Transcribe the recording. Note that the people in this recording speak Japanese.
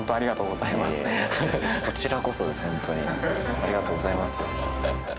ありがとうございます。